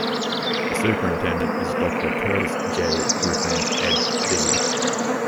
The Superintendent is Doctor Curtis J. Griffin Ed.D.